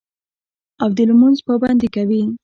او د لمونځ پابندي کوي